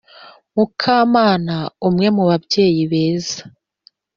mukamana umwe mu babyeyi beza